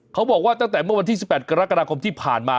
เขาบอกว่าตั้งแต่เมื่อวันที่๑๘กรกฎาคมที่ผ่านมา